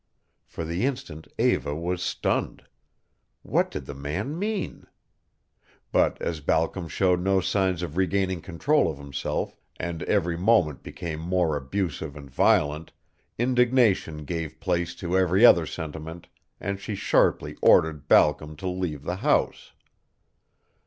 For the instant Eva was stunned. What did the man mean? But as Balcom showed no signs of regaining control of himself, and every moment became more abusive and violent, indignation gave place to every other sentiment, and she sharply ordered Balcom to leave the house.